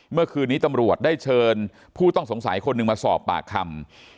เมื่อคืนนี้ตำรวจได้เชิญผู้ต้องสงสัยคนหนึ่งมาสอบปากคำ